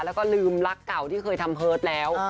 แล้วก็ลืมรักเก่าที่เคยทำเพิร์ตแล้ว